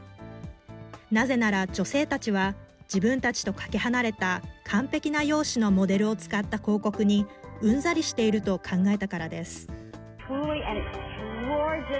なぜなら、女性たちは自分たちとかけ離れた完璧な容姿のモデルを使った広告に、うんざりしていると考えたからです。